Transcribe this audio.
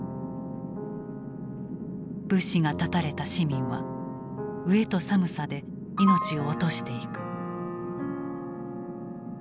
物資が断たれた市民は飢えと寒さで命を落としていく。